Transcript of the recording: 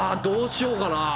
どうしようかな。